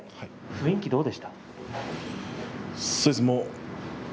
雰囲気どうでしたか？